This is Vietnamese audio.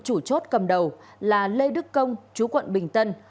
chủ chốt cầm đầu là lê đức công chú quận bình tân